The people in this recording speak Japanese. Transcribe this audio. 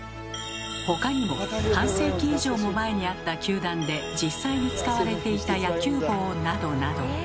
他にも半世紀以上も前にあった球団で実際に使われていた野球帽などなど。